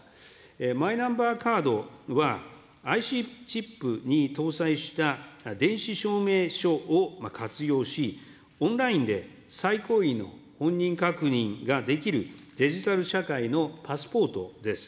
マイナンバーカードは、ＩＣチップに搭載した電子証明書を活用し、オンラインでさいこういの本人確認ができるデジタル社会のパスポートです。